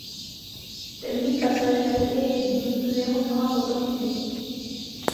Temný pasažér je jedním z jeho mnoha potomků.